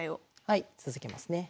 はい続けますね。